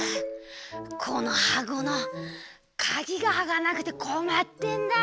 このはこのかぎがあかなくてこまってんだ。